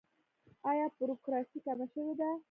آیا بروکراسي کمه شوې ده؟